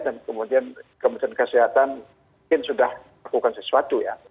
dan kemudian kementerian kesehatan mungkin sudah lakukan sesuatu ya